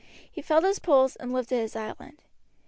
He felt his pulse, and lifted his eyelid.